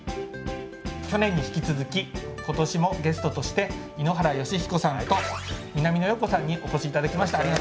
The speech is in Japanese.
去年に引き続き今年もゲストとして井ノ原快彦さんと南野陽子さんにお越し頂きました。